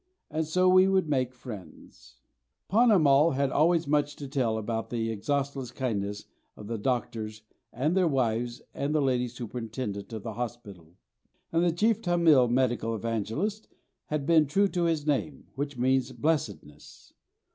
And so we would make friends. Ponnamal had always much to tell about the exhaustless kindness of the doctors and their wives and the lady superintendent of the hospital. And the chief Tamil medical Evangelist had been true to his name, which means Blessedness.